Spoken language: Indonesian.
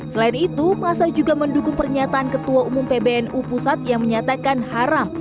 selain itu masa juga mendukung pernyataan ketua umum pbnu pusat yang menyatakan haram